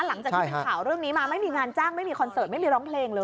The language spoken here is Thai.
หลังจากที่เป็นข่าวเรื่องนี้มาไม่มีงานจ้างไม่มีคอนเสิร์ตไม่มีร้องเพลงเลย